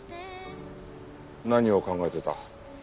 何を考えてた？